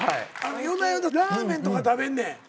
夜な夜なラーメンとか食べんねん。